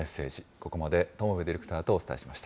ここまで友部ディレクターとお伝えしました。